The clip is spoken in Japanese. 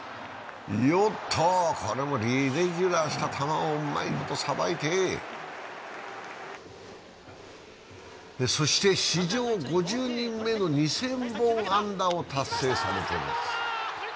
よっと、これもイレギュラーした球をうまいことさばいて、そして史上５０人目の２０００本安打を達成しています。